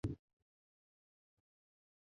顺天府乡试第五十三名。